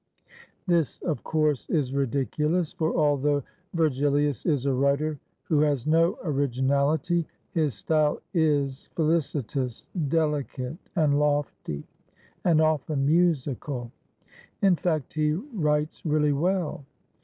This, of course, is ridiculous; for although Vergilius is a writer who has no originality, his style is felicitous, delicate, and lofty, and often musical. In fact he writes really well.